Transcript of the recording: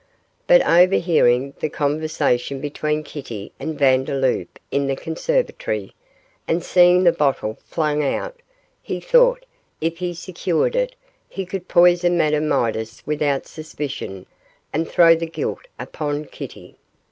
But overhearing the conversation between Kitty and Vandeloup in the conservatory, and seeing the bottle flung out, he thought if he secured it he could poison Madame Midas without suspicion and throw the guilt upon Kitty.